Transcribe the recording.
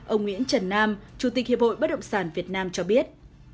ông nguyễn trần nam chủ tịch hiệp hội bất động sản việt nam cho biết